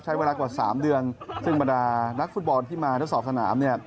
ใช้เวลากว่าสามเดือนซึ่งบรรดานักฟุตบอลที่มาทดสอบสนามเนี่ย